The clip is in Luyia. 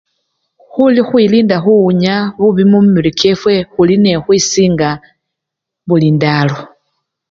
Khuli! khukhwilinda khuwunya bubi khumibili kyefwe khuli nekhukhwisinga bulindalo.